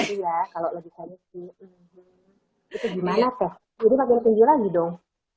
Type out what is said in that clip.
itu gimana teh jadi makin kunjung lagi dong